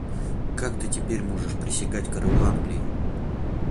Как ты теперь можешь присягать королю Англии?